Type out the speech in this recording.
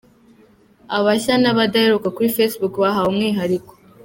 Abashya n’abadaheruka kuri Facebook bahawe umwihariko.